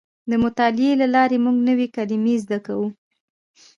د مطالعې له لارې موږ نوې کلمې زده کوو.